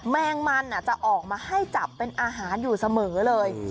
แมงมันจะออกมาให้จับเป็นอาหารอยู่เสมอเลย